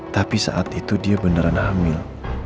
tapi saat itu dia beneran hamil